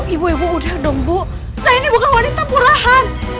ibu ibu udah dong bu saya ini bukan wanita purahan